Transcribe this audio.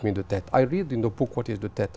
nhưng tôi đã thử phát triển ở một thị trấn ở đây